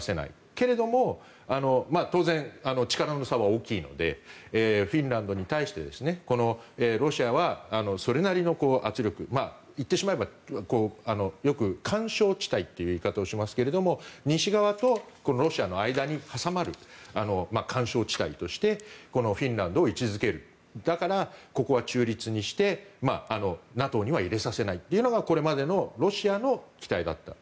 けれども当然、力の差は大きいのでフィンランドに対してロシアはそれなりの圧力言ってしまえば、よく緩衝地帯という言い方をしますが西側とロシアの間に挟まる緩衝地帯としてこのフィンランドを位置付けるだから、ここは中立にしてＮＡＴＯには入れさせないというのがこれまでのロシアの期待だった。